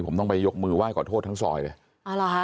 ผมต้องไปยกมือไหว้ก่อโทษทั้งซอยเลย